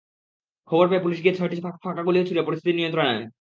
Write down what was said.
খবর পেয়ে পুলিশ গিয়ে ছয়টি ফাঁকা গুলি ছুড়ে পরিস্থিতি নিয়ন্ত্রণে আনে।